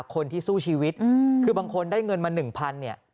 คนที่สู้ชีวิตคือบางคนได้เงินมา๑๐๐เนี่ย